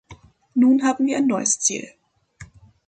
Nun haben wir ein neues Ziel“.